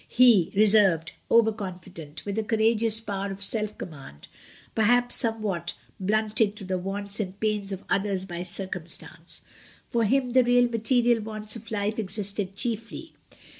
He, reserved, over confident, with a courageous power of self command, perhaps somewhat blunted to the wants and pains of others by circumstance. For him the real material wants of life existed chiefly.